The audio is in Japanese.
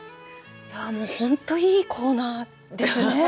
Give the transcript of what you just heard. ああもう本当いいコーナーですね。